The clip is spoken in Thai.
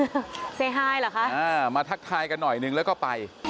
บอกสวัสดีเหรอคะอ่ามาทักทายกันหน่อยหนึ่งแล้วก็ไป